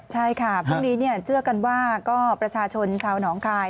ใช่ค่ะพรุ่งนี้เชื่อกันว่าก็ประชาชนชาวหนองคาย